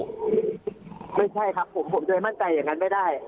ไม่ใช่ครับผมผมจะมั่นใจอย่างนั้นไม่ได้